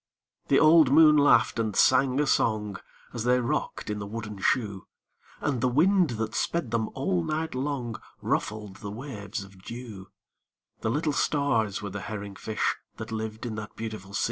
The old moon laughed and sang a song, As they rocked in the wooden shoe; And the wind that sped them all night long Ruffled the waves of dew; The little stars were the herring fish That lived in the beautiful sea.